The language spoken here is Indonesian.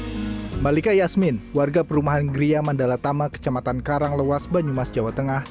hai malika yasmin warga perumahan gria mandala tama kecamatan karanglewas banyumas jawa tengah